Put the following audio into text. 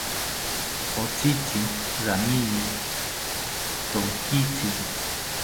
Otzitzi ramini tonkitzi